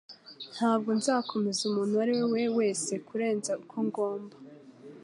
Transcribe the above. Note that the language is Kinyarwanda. Ntabwo nzakomeza umuntu uwo ari we wese kurenza uko ngomba